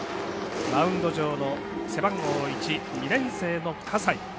マウンド上の背番号１２年生の葛西。